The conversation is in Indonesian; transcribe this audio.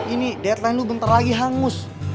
ini deadline lu bentar lagi hangus